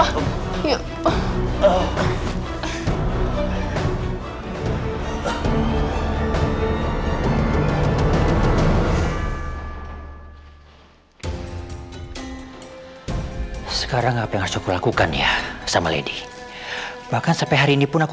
hai sekarang apa yang harus kulakukan ya sama lady bahkan sampai hari ini pun aku